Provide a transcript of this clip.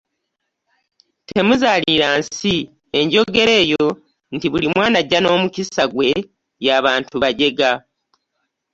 Temuzaalira nsi, enjogera eyo nyi buli mwana ajja n'omukisa gwe ya bantu bajega